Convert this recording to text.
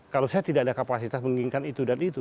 kalau saya tidak ada kapasitas menginginkan itu dan itu